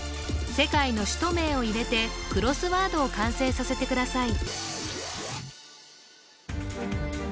世界の首都名を入れてクロスワードを完成させてください